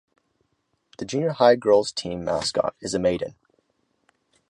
The junior high girls' team mascot is a maiden.